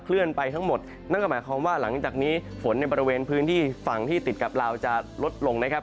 เลื่อนไปทั้งหมดนั่นก็หมายความว่าหลังจากนี้ฝนในบริเวณพื้นที่ฝั่งที่ติดกับลาวจะลดลงนะครับ